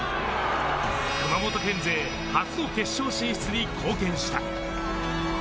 熊本県勢初の決勝進出に貢献した。